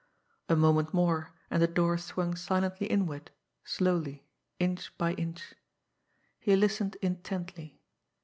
A moment more, and the door swung silently inward, slowly, inch by inch. He listened intently.